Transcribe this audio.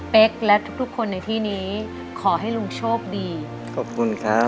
และทุกทุกคนในที่นี้ขอให้ลุงโชคดีขอบคุณครับ